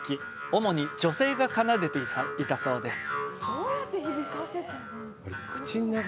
主に女性が奏でていたそうです。